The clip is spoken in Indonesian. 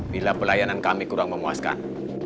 bila pelayanan kami kurang memuaskan